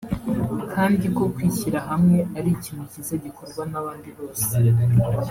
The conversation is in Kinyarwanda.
kandi ko kwishyirahamwe ari ikintu kiza gikorwa n’abandi bose